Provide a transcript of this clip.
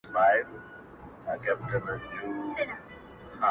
• پر دې متل باندي څه شك پيدا سو؛